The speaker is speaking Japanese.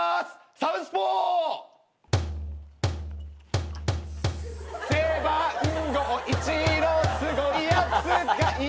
『サウスポー』「背番号１のすごい奴がいる」